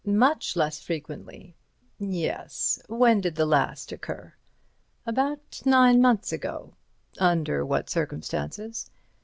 "Much less frequently." "Yes—when did the last occur?" "About nine months ago." "Under what circumstances?"